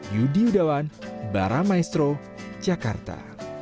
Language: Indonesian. yudi yudawan baramaestro jakarta